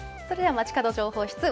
それではまちかど情報室。